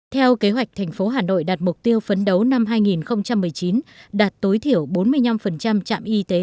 theo kế hoạch thành phố hà nội đạt mục tiêu phấn đấu năm hai nghìn một mươi chín đạt tối thiểu bốn mươi năm trạm y tế